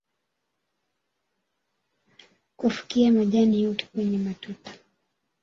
kufukia majni yote kwenye matuta